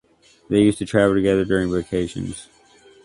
They used to travel together during vacations.